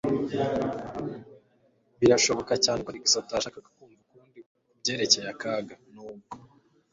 Birashoboka cyane ko Alex atashakaga kumva ukundi kubyerekeye akaga, nubwo.